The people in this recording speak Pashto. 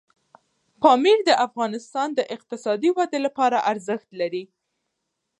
پامیر د افغانستان د اقتصادي ودې لپاره ارزښت لري.